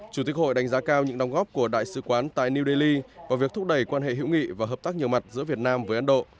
chủ tịch hội đánh giá cao những đóng góp của đại sứ quán tại new delhi vào việc thúc đẩy quan hệ hữu nghị và hợp tác nhiều mặt giữa việt nam với ấn độ